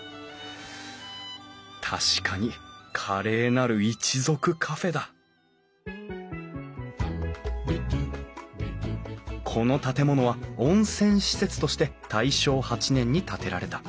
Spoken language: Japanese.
確かに「華麗なる一族カフェ」だこの建物は温泉施設として大正８年に建てられた。